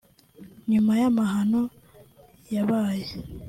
nyuma y’amahano yabaye